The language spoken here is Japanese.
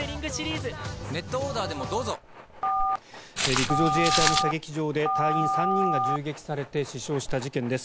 陸上自衛隊の射撃場で隊員３人が銃撃されて死傷した事件です。